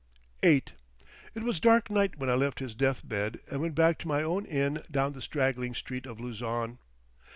VIII It was dark night when I left his deathbed and went back to my own inn down the straggling street of Luzon.